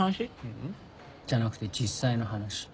ううんじゃなくて実際の話。